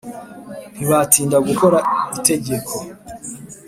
ntibatinda gukora itegeko